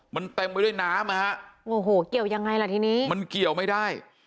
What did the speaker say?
มันเต็มไปด้วยน้ำนะฮะโอ้โหเกี่ยวยังไงล่ะทีนี้มันเกี่ยวไม่ได้